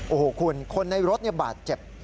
โอ้โหคุณคนในรถบาดเจ็บ